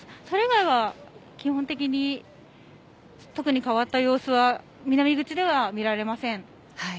それ以外は基本的に特に変わった様子は南口では見られません。